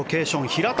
平田